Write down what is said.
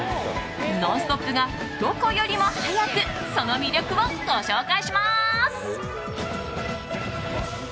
「ノンストップ！」がどこよりも早くその魅力をご紹介します。